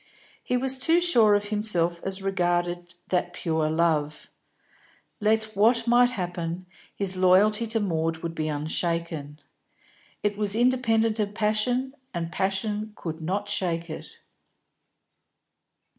He was too sure of himself as regarded that purer love; let what might happen, his loyalty to Maud would be unshaken. It was independent of passion, and passion could not shake it.